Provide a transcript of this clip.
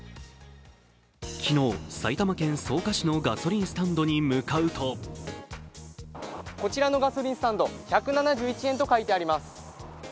昨日、埼玉県草加市のガソリンスタンドに向かうとこちらのガソリンスタンド、１７１円と書いてあります。